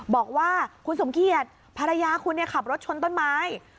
บอกว่าคุณสมเกียจภรรยาคุณขับรถชนต้นไม้